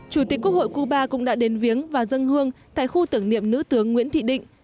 chủ tịch quốc hội cuba cũng đã đến viếng và dân hương tại khu tưởng niệm nữ tướng nguyễn thị định